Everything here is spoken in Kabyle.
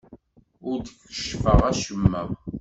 Ur d-keccfeɣ acemma.